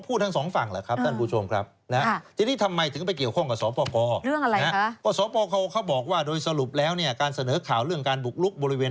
เป็นสื่องวังชนที่ผมจะต้องเอาข้อมูล